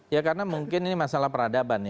ya karena mungkin ini masalah peradaban ya